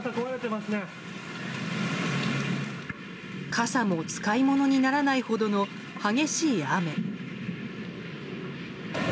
傘も使い物にならないほどの激しい雨。